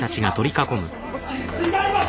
違います！